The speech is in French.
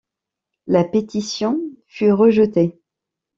La pétition fut rejetée.